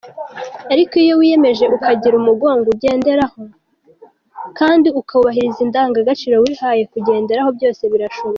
Ariko iyo wiyemeje ukagira umugongo ugenderaho kandi ukubahiriza indangagaciro wihaye kugenderaho, byose birashoboka.